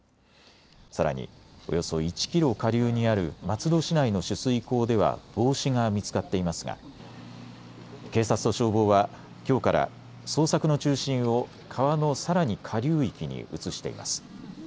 さらに、およそ１キロ下流にある松戸市内の取水口では帽子が見つかっていますが警察と消防はきょうから捜索の中心を川のさらに下流域に移しています。